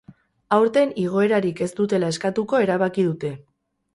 Aurten igoerarik ez dutela eskatuko erabaki dute.